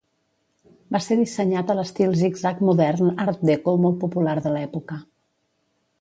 Va ser dissenyat a l'estil Zigzag Modern Art Deco molt popular de l'època.